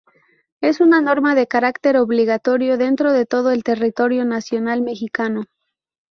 Es una norma de carácter obligatorio dentro de todo el territorio nacional mexicano.